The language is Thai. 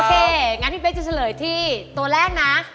โอเคงั้นพีเตอร์จะเฉลยที่ตัวแรกนะ